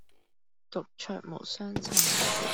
獨酌無相親。